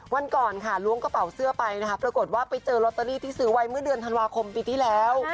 วันก่อนค่ะล้วงกระเป๋าเสื้อไปนะคะปรากฏว่าไปเจอลอตเตอรี่ที่ซื้อไว้เมื่อเดือนธันวาคมปีที่แล้ว